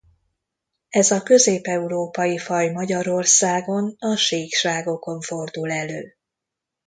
Ez a közép-európai faj Magyarországon a síkságokon fordul elő.